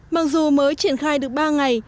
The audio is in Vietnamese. mặc dù mới triển khai được ba ngày